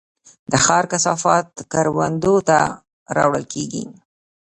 د ښار کثافات کروندو ته راوړل کیږي؟